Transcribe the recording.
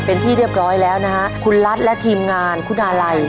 เป็นที่เรียบร้อยแล้วนะฮะคุณรัฐและทีมงานคุณอาลัย